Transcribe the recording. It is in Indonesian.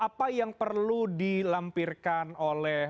apa yang perlu dilampirkan oleh